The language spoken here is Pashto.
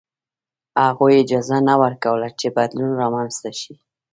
هغوی اجازه نه ورکوله چې بدلون رامنځته شي.